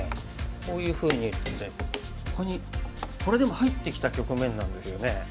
こういうふうに打ってここにこれでも入ってきた局面なんですよね。